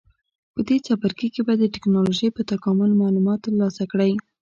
په دې څپرکي کې به د ټېکنالوجۍ په تکامل معلومات ترلاسه کړئ.